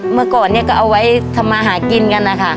เมื่อก่อนเนี่ยก็เอาไว้ทำมาหากินกันนะคะ